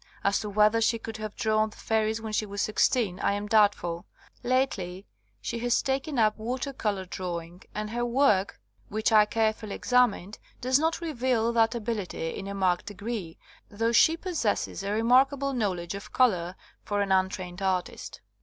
As to whether she could have drawn the fairies when she was sixteen I am doubtful. Lately she has taken up water colour drawing, and her work, which I carefully examined, does not reveal that ability in a marked degree, though she possesses a remarkable knowledge of colour for an untrained artist.